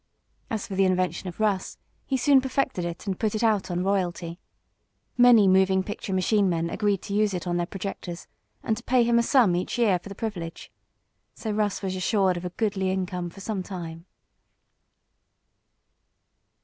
As for the invention of Russ, he soon perfected it, and put it out on royalty. Many moving picture machine men agreed to use it on their projectors, and to pay him a sum each year for the privilege. So Russ was assured of a goodly income for some time.